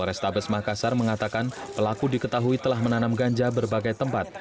polrestabes makassar mengatakan pelaku diketahui telah menanam ganja berbagai tempat